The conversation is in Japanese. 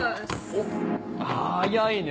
おっ早いね